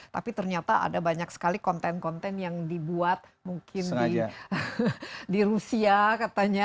tapi ternyata ada banyak sekali konten konten yang dibuat mungkin di rusia katanya